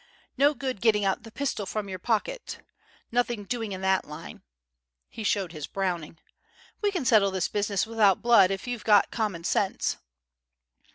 No good getting out the pistol from your pocket. Nothing doing in that line!" (He showed his Browning.) "We can settle this business without blood if you've got common sense."